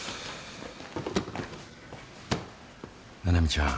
七海ちゃん